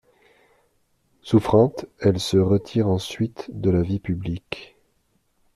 Souffrante, elle se retire ensuite de la vie publique.